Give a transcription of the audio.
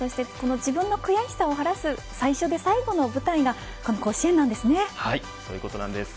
自分の悔しさを晴らす最初で最後の舞台がこの甲子園なんですね。